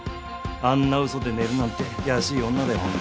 あんな嘘で寝るなんて安い女だよ